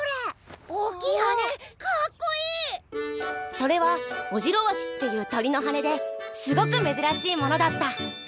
それはオジロワシっていう鳥の羽根ですごくめずらしいものだった。